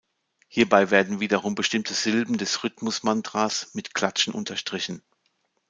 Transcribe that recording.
Hierbei werden wiederum bestimmte Silben des Rhythmus-Mantras mit Klatschen unterstrichen.